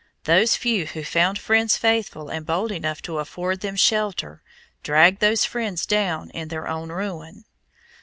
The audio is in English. Those few who found friends faithful and bold enough to afford them shelter, dragged those friends down in their own ruin.